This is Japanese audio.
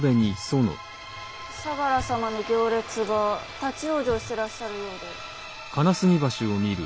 相楽様の行列が立往生してらっしゃるようで。